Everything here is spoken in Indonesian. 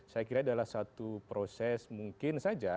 saya kira adalah satu proses mungkin saja